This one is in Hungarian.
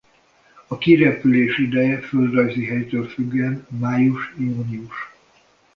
A kirepülés ideje földrajzi helytől függően május-június.